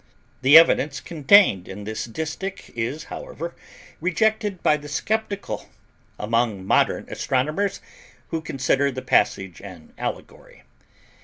The evidence conveyed in this distich is, however, rejected by the skeptical, among modern Astronomers, who consider the passage an allegory.